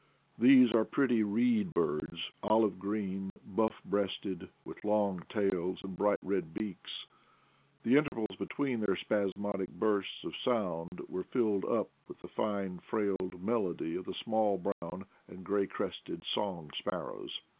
These are pretty reed birds, olive green, buff breasted, with long tails and bright red beaks. The intervals between their spasmodic bursts of sound were filled up with the fine frail melody of the small brown and gray crested song sparrows.